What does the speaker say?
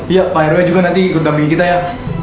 iya pak heroya juga nanti ikut ngambilin kita ya